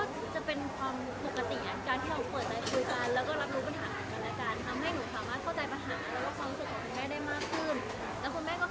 เพราะฉะนั้นมันก็เลยจูนกันติดง่ายแล้วก็ค่อนข้างที่จะให้กำลังใจกันได้ง่าย